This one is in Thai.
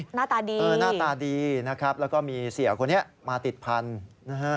หน้าตาดีนะครับแล้วก็มีเสียคนนี้มาติดพันธุ์นะฮะ